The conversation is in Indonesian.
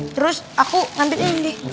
terus aku ngambil ini